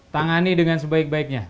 tangani dengan sebaik baiknya